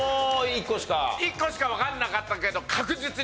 １個しかわかんなかったけど。